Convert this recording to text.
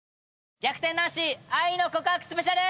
『逆転男子』愛の告白スペシャル！